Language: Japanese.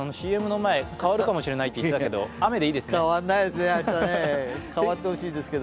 ＣＭの前変わるかもしれないといってましたけど雨でいいですか？